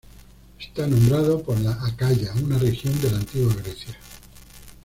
Está nombrado por la Acaya, un región de la antigua Grecia.